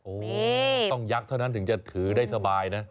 โอ้โหต้องยักษ์เท่านั้นถึงจะถือได้สบายนะ